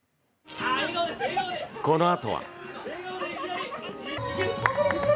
このあとは。